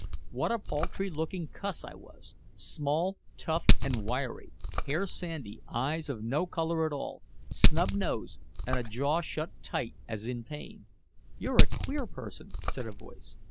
What a paltry looking cuss I was small, tough and wiry, hair sandy, eyes of no color at all, snub nose and a jaw shut tight as in pain. "You're a queer person," said a voice.